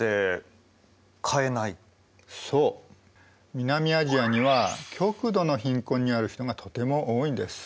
南アジアには極度の貧困にある人がとても多いんです。